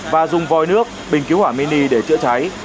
và dùng vòi nước bình cứu hỏa mini để chữa cháy